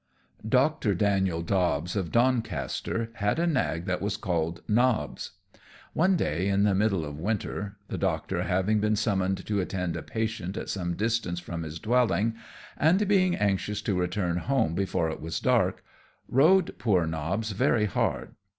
_ Doctor Daniel Dobbs, of Doncaster, had a nag that was called Nobbs. One day, in the middle of winter, the Doctor having been summoned to attend a patient at some distance from his dwelling, and being anxious to return home before it was dark, rode poor Nobbs very hard.